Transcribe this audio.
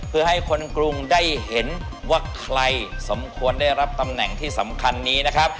เพื่อให้คนกรุงได้เห็นว่าใครสมควรได้รับตำแหน่งที่สำคัญนี้นะครับ